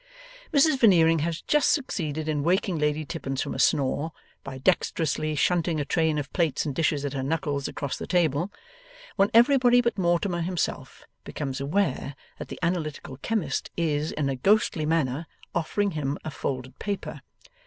Mrs Veneering has just succeeded in waking Lady Tippins from a snore, by dexterously shunting a train of plates and dishes at her knuckles across the table; when everybody but Mortimer himself becomes aware that the Analytical Chemist is, in a ghostly manner, offering him a folded paper.